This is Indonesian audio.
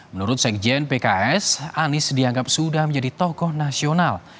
menurut sekjen pks anies dianggap sudah menjadi tokoh nasional